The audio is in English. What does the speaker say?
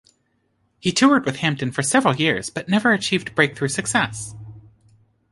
He toured with Hampton for several years but never achieved breakthrough success.